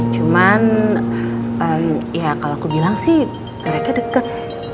cuman kalau aku bilang sih mereka deket